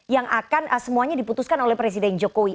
yang akan semuanya diputuskan oleh presiden jokowi